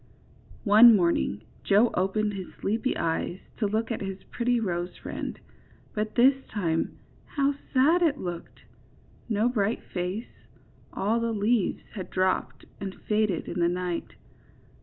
31 One morning Joe opened his sleepy eyes to look at his pretty rose friend, but this time how sad it looked! No bright face, — all the leaves had drooped and faded in the night.